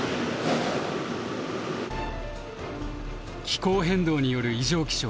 気候変動による異常気象。